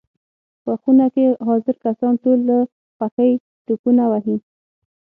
په خونه کې حاضر کسان ټول له خوښۍ ټوپونه وهي.